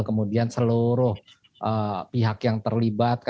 kemudian seluruh pihak yang terlibat